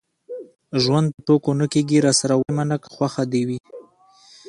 ژوند په ټوکو نه کېږي. راسره ويې منه که خوښه دې وي.